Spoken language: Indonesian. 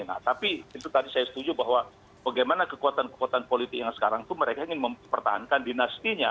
nah tapi itu tadi saya setuju bahwa bagaimana kekuatan kekuatan politik yang sekarang itu mereka ingin mempertahankan dinastinya